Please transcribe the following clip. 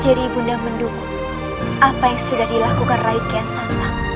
jadi ibu nda mendukung apa yang sudah dilakukan rai kian santang